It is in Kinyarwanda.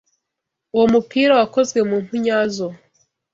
Uwo mupira wakozwe mu mpu nyazo.